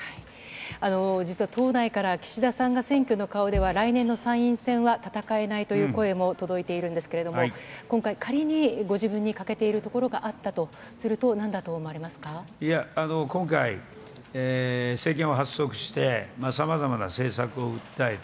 実は党内から、岸田さんが選挙の顔では来年の参院選は戦えないという声も届いているんですけれども、今回、仮にご自分に欠けているところがあったとすると、なんだと思われいや、今回、政権を発足して、さまざまな政策を訴えた。